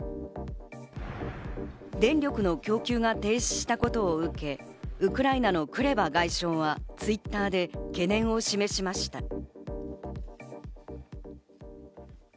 電力の供給が停止したことを受け、ウクライナのクレバ外相はＴｗｉｔｔｅｒで懸念を示しました。